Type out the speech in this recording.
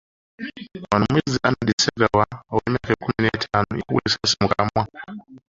Wano omuyizi Arnold Ssegawa, ow’emyaka kkumi n'ettaano yakubwa essasi mu kamwa.